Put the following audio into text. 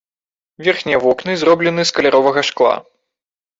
Верхнія вокны зроблены з каляровага шкла.